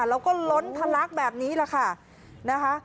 แล้วก็ล้นทะลักแบบนี้แหละค่ะนะคะ